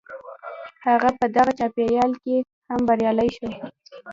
هغه په دغه چاپېريال کې هم بريالی شو.